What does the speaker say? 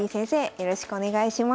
よろしくお願いします。